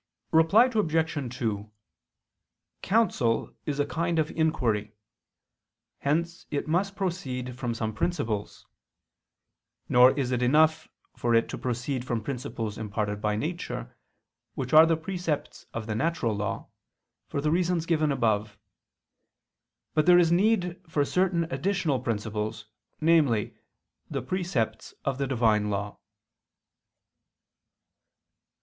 Reply Obj. 2: Counsel is a kind of inquiry: hence it must proceed from some principles. Nor is it enough for it to proceed from principles imparted by nature, which are the precepts of the natural law, for the reasons given above: but there is need for certain additional principles, namely, the precepts of the Divine law.